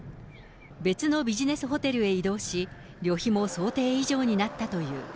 別のビジネスホテルへ移動し、旅費も想定以上になったという。